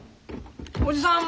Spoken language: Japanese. おじさん